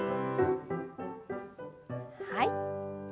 はい。